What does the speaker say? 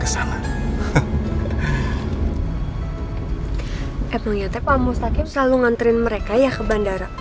sampai jumpa di video selanjutnya